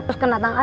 terus kena tangan